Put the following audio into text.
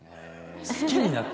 好きになった。